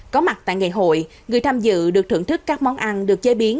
có mặt tại ngày hội người tham dự được thưởng thức các món ăn được chế biến